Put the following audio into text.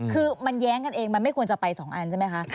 คือมันแย้งกันเองมันไม่ควรจะไป๒อันใช่ไหมคะ